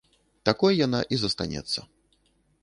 Такой яна і застанецца.